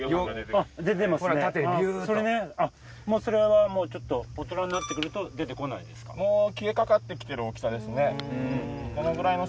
あっそれねもうそれはちょっと大人になってくると出てこないんですか？